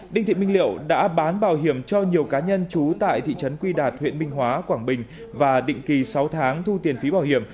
đinh thị minh liệu đã bán bảo hiểm cho nhiều cá nhân trú tại thị trấn quy đạt huyện minh hóa quảng bình và định kỳ sáu tháng thu tiền phí bảo hiểm